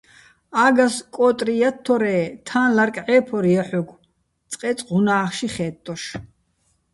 აგას კოტრი ჲათთორე́ თაჼ ლარკ ჵე́ფორ ჲაჰ̦ოგო̆, წყე́წყ უ̂ნა́ხში ხე́ტტოშ.